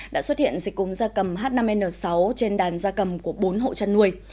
đã xuất hiện dịch cúm da cầm h năm n sáu trên đàn da cầm của bốn hộ chăn nuôi